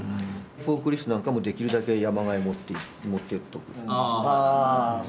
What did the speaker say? フォークリフトなんかもできるだけ山側へ持っていっとく。